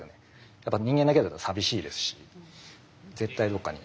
やっぱ人間だけだと寂しいですし絶対どっかに。